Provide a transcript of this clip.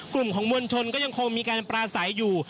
กลุ่มของมวลชนก็ยังคงมีการปราศัยอยู่